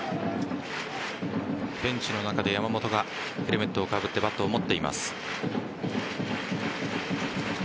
ベンチの中で山本がヘルメットをかぶってバットを持っています。